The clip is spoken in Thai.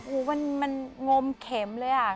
อู้วมันงมเข็มเลยอะ